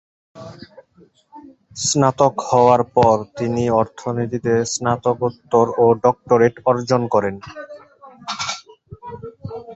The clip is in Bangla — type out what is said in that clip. স্নাতক হওয়ার পর, তিনি অর্থনীতিতে স্নাতকোত্তর ও ডক্টরেট অর্জন করেন।